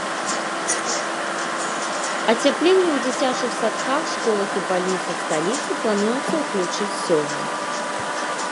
Ацяпленне ў дзіцячых садках, школах і бальніцах сталіцы плануецца ўключыць сёння.